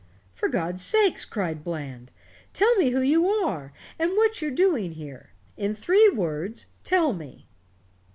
"For God's sake," cried Bland, "tell me who you are and what you're doing here. In three words tell me."